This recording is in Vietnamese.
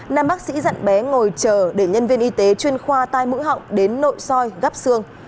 nam bác sĩ dặn bé ngồi chờ để nhân viên y tế chuyên khoa tai mũi họng đến nội soi gấp xương